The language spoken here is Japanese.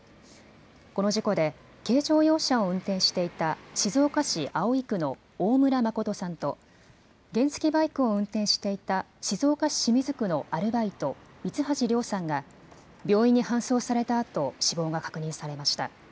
この事故で軽乗用車を運転していた静岡市葵区の大村誠さんと原付きバイクを運転していた静岡市清水区のアルバイト、三橋凌さんが病院に搬送されたあと死亡が確認されました。